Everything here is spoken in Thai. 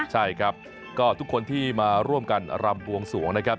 ใช่ครับก็ทุกคนที่มาร่วมกันรำบวงสวงนะครับ